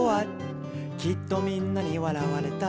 「きっとみんなにわらわれた」